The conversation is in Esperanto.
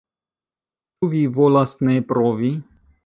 Ĉu vi volas ne provi?